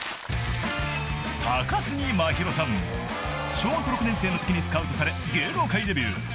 ［小学６年生のときにスカウトされ芸能界デビュー］